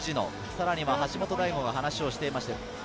さらに橋本大吾が話をしています。